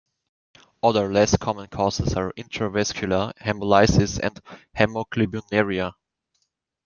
Other less common causes are intravascular hemolysis and hemoglobinuria.